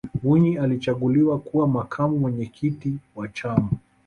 mwinyi alichaguliwa kuwa makamu mwenyekiti wa chama